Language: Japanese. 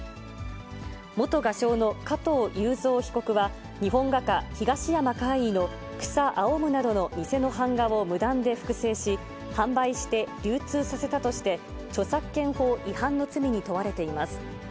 元画商の加藤雄三被告は、日本画家、東山魁夷の草青むなどの偽の版画を無断で複製し、販売して流通させたとして、著作権法違反の罪に問われています。